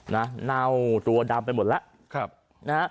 เน่าตัวดำไปหมดแล้ว